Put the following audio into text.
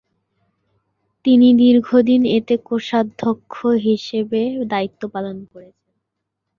তিনি দীর্ঘদিন এতে কোষাধ্যক্ষ হিসেবে দায়িত্বপালন করেছেন।